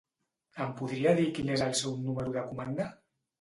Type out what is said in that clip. Em podria dir quin és el seu número de comanda?